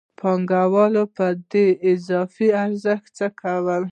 پانګوال په دې اضافي ارزښت څه کوي